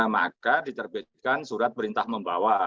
maka diterbitkan surat perintah membawa